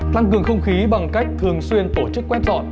tăng cường không khí bằng cách thường xuyên tổ chức quét dọn